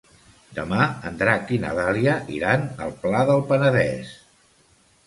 Demà en Drac i na Dàlia iran al Pla del Penedès.